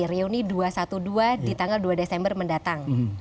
reuni dua ratus dua belas di tanggal dua desember mendatang